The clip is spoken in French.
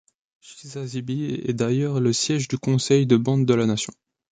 Chisasibi est d'ailleurs le siège du conseil de bande de la nation.